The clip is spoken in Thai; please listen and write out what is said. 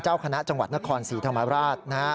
เจ้าคณะจังหวัดนครศรีธรรมราช